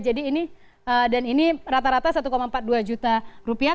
ini dan ini rata rata satu empat puluh dua juta rupiah